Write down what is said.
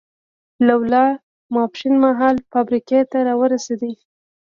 لولا ماسپښین مهال فابریکې ته را ورسېد.